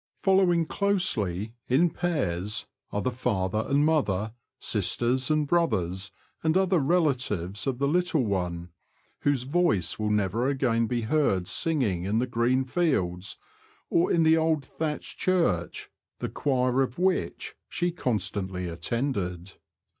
Following closely, in pairs, are the father and mother, sisters and brothers, and other relatives of the little one, whose voice will never again be heard singing in the green fields, or in the old thatched church, the choir of which she constantly attended.